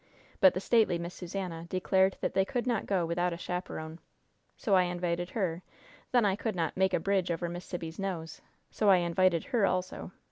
But the stately Miss Susannah declared that they could not go without a chaperon. So I invited her; then I could not 'make a bridge over Miss Sibby's nose,' so I invited her, also."